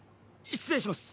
失礼します。